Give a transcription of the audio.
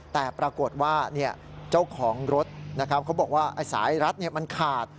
แต่ปรากฏว่าเจ้าของรถบอกว่าสายสเตรัสมันขาด